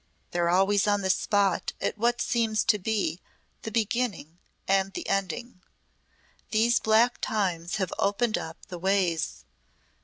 They're always on the spot at what seems to be the beginning and the ending. These black times have opened up the ways.